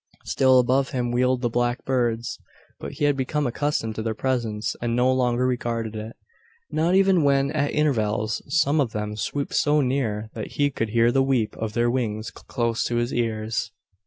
Still above him wheeled the black birds; but he had become accustomed to their presence, and no longer regarded it not even when, at intervals, some of them swooped so near, that he could hear the "wheep" of their wings close to his ears.